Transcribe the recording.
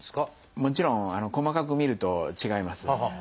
もちろん細かく見ると違います。